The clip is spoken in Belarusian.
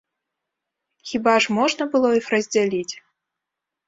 Хіба ж можна было іх раздзяліць?!